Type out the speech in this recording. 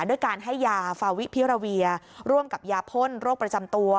ด้วยการให้ยาฟาวิพิราเวียร่วมกับยาพ่นโรคประจำตัว